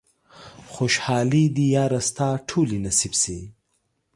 خوشحالۍ دې ياره ستا ټولې نصيب شي